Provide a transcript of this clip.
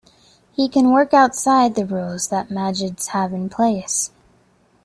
He can work outside the rules that magids have in place.